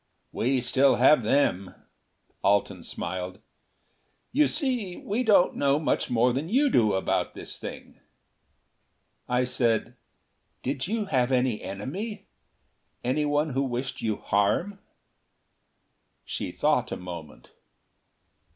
"We still have them," Alten smiled. "You see, we don't know much more than you do about this thing." I said, "Did you have any enemy? Anyone who wished you harm?" She thought a moment.